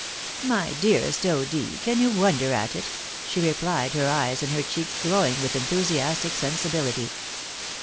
"My dearest O'D., can you wonder at it? " she replied, her eyes and her cheeks glowing with enthusiastic sensibihty.